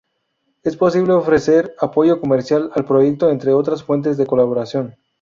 Es posible ofrecer apoyo comercial al proyecto, entre otras fuentes de colaboración.